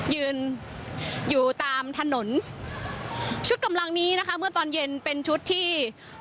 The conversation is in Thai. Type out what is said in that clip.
ยืนอยู่ตามถนนชุดกำลังนี้นะคะเมื่อตอนเย็นเป็นชุดที่